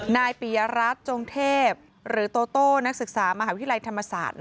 นายปียรัฐจงเทพหรือโตโต้นักศึกษามหาวิทยาลัยธรรมศาสตร์